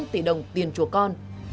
một mươi năm tỷ đồng tiền chùa con